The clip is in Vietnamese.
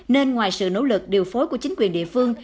nên ngoài sự nỗ lực điều phối của chính quyền địa phương